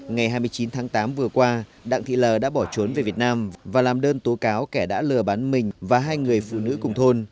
ngày hai mươi chín tháng tám vừa qua đặng thị l đã bỏ trốn về việt nam và làm đơn tố cáo kẻ đã lừa bán mình và hai người phụ nữ cùng thôn